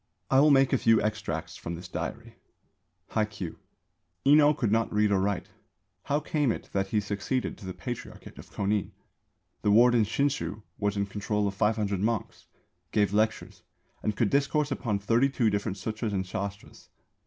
I will make a few extracts from this diary: Hai Kyū. Enō could not read or write. How came it that he succeeded to the Patriarchate of Kōnin? The warden Shinshū was in control of 500 monks, gave lectures, and could discourse upon thirty two different Sūtras and Shāstras.